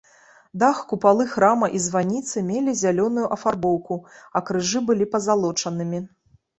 Дах, купалы храма і званіцы мелі зялёную афарбоўку, а крыжы былі пазалочанымі.